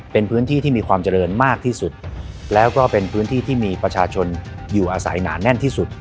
เป็นพื้นที่ที่มีความเจริญมากที่สุดแล้วก็เป็นพื้นที่ที่มีประชาชนอยู่อาศัยหนาแน่นที่สุด